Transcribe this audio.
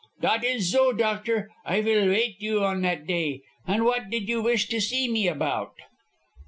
"Dat is zo, doctor. I vill wait you on that day. And what did you wish to zee me about?"